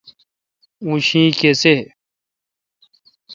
اوں شی کیسے°